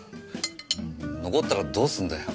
残ったらどうすんだよ。